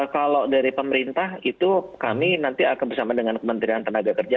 kalau dari pemerintah itu kami nanti akan bersama dengan kementerian tenaga kerja